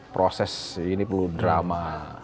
proses ini perlu drama